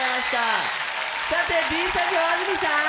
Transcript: さて、Ｂスタジオ、安住さーん。